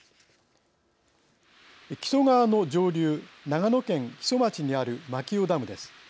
木曽川の上流長野県木曽町にある牧尾ダムです。